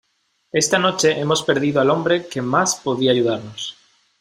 ¡ esta noche hemos perdido al hombre que más podía ayudarnos!